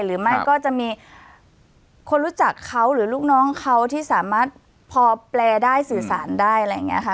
หรือไม่ก็จะมีคนรู้จักเขาหรือลูกน้องเขาที่สามารถพอแปลได้สื่อสารได้อะไรอย่างนี้ค่ะ